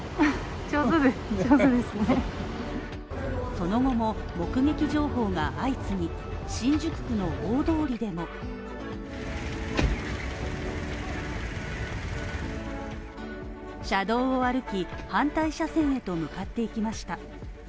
その後も、目撃情報が相次ぎ、新宿区の大通りでも車道を歩き、反対車線へと向かっていきました。